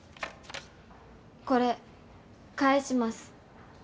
これ返します。